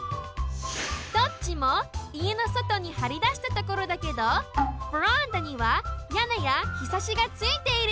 どっちもいえのそとにはりだしたところだけどベランダにはやねやひさしがついている。